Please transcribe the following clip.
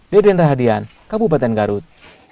deden rahadian kabupaten garut